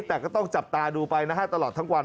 แต่ก็ต้องจับตาดูไปนะฮะตลอดทั้งวัน